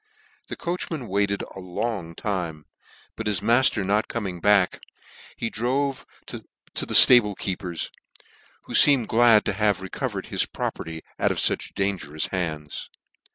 The coachman waited a long time, but his mafter not coming back, he drove to the liable keeper's, who feemed glad to have recovered his properly out of fuch dangerous hands.